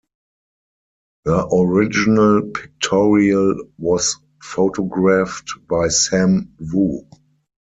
Her original pictorial was photographed by Sam Wu.